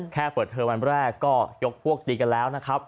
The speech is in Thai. แค่เปิดเทอมวันแรกก็ยกพวกตีกันแล้วนะครับ